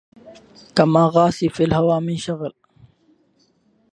كم أقاسي في الهوى من شغل